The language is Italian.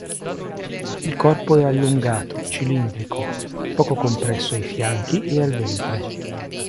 Il corpo è allungato, cilindrico, poco compresso ai fianchi e al ventre.